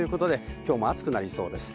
今日も暑くなりそうです。